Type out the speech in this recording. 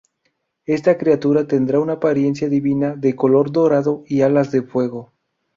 Esta criatura tendrá una apariencia divina, de color dorado y alas de fuego.